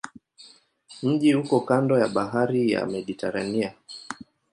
Mji uko kando ya bahari ya Mediteranea.